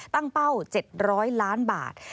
ตั้งเป้า๗๐๐ล้านบาท